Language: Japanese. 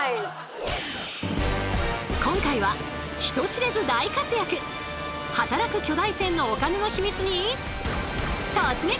今回は人知れず大活躍働く巨大船のお金のヒミツに突撃！